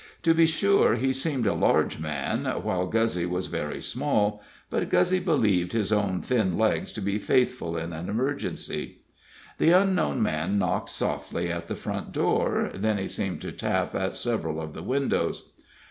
To be sure, he seemed a large man, while Guzzy was very small, but Guzzy believed his own thin legs to be faithful in an emergency. The unknown man knocked softly at the front door, then he seemed to tap at several of the windows.